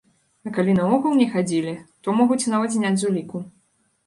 А калі наогул не хадзілі, то могуць нават зняць з уліку.